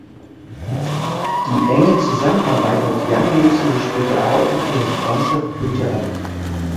Die enge Zusammenarbeit mit Yang löste sich später auf und ihre Freundschaft kühlte ab.